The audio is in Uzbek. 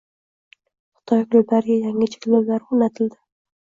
Xitoy klublariga yangi cheklovlar o‘rnatildi